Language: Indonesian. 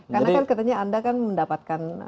karena kan katanya anda mendapatkan